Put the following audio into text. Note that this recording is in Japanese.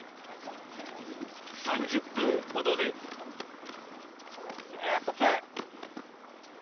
３０分ほどでラストツー。